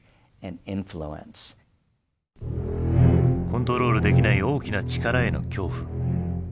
コントロールできない大きな力への恐怖。